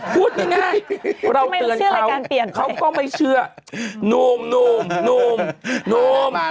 พูดยังไงเราเตือนเขาเขาก็ไม่เชื่อหนุ่มหนุ่มหนุ่มหนุ่ม